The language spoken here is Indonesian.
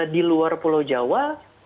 di luar pulau jawa